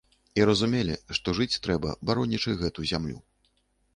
І разумелі, што жыць трэба, баронячы гэту зямлю.